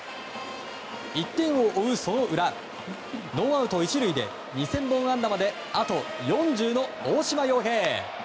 １点を追う、その裏ノーアウト１塁で２０００本安打まであと４０の大島洋平。